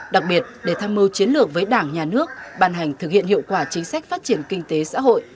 đặc biệt để tham mưu chiến lược với đảng nhà nước bàn hành thực hiện hiệu quả chính sách phát triển kinh tế xã hội